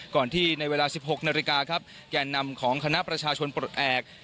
ก่อนที่ในเวลา๑๖นาฬิกาครับแก่นำของคณะประชาชนปลดแอบ